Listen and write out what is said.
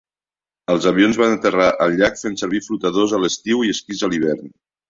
Els avions van aterrar al llac fent servir flotadors a l'estiu i esquís a l'hivern.